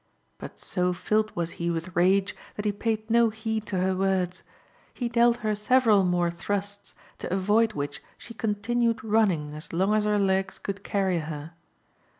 But so filled was he with rage that he paid no heed to her words. He dealt her several more thrusts, to avoid which she continued running as long as her legs could carry her.